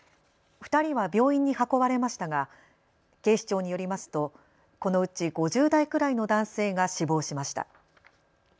２人は病院に運ばれましたが警視庁によりますとこのうち５０代くらいの男性が死亡しました。